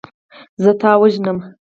زه تا وژنم.